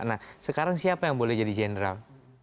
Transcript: nah sekarang siapa yang boleh jadi general